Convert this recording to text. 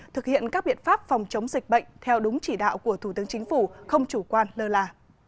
thực hiện các biện pháp phòng chống dịch bệnh theo đúng chỉ đạo của thủ tướng chính phủ không chủ quan lơ là